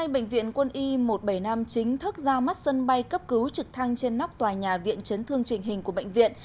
bệnh viện quân y một nghìn bảy trăm năm mươi chín thất ra mắt sân bay cấp cứu trực thăng trên nóc tòa nhà viện chấn thương trình hình của bệnh viện